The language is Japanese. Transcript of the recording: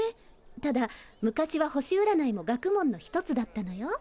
ただ昔は星うらないも学問の一つだったのよ。